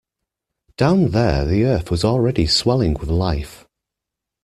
Down there the earth was already swelling with life.